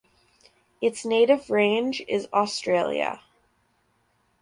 Its native range is Australia.